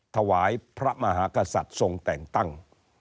ถวายพระมหากษัตริย์ทรงแต่งตั้ง